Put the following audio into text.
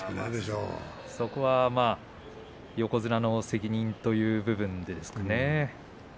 そこは横綱の責任という部分ですかね。